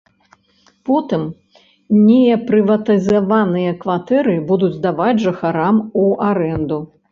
Потым непрыватызаваныя кватэры будуць здаваць жыхарам у арэнду.